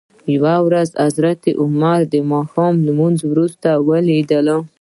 یوه ورځ حضرت عمر دماښام لمانځه وروسته ولید ل.